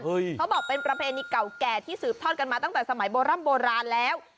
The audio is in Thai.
เขาบอกเป็นประเพณีเก่าแก่ที่สืบทอดกันมาตั้งแต่สมัยโบร่ำโบราณแล้ว